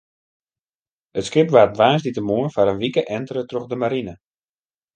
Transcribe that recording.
It skip waard woansdeitemoarn foar in wike entere troch de marine.